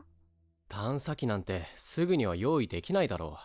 探査機なんてすぐには用意できないだろ。